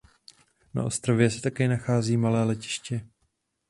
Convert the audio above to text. Na ostrově se také nachází malé letiště.